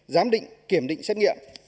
giám định kiểm định xét nghiệm